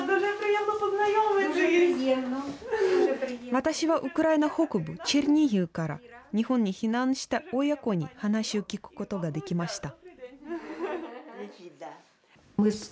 私はウクライナ北部チェルニヒウから日本に避難した親子に話を聞くことができました。